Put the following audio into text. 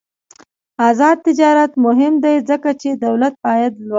آزاد تجارت مهم دی ځکه چې دولت عاید لوړوي.